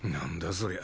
そりゃ。